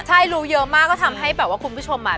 ใช่รู้เยอะมากก็ทำให้แบบว่าคุณผู้ชมอ่ะ